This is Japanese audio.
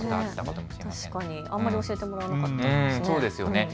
確かにあんまり教えてもらわなかったですね。